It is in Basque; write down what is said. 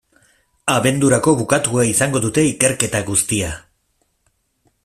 Abendurako bukatua izango dute ikerketa guztia.